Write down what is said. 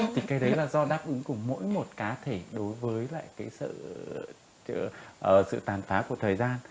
thì cái đấy là do đáp ứng của mỗi một cá thể đối với lại cái sự tàn phá của thời gian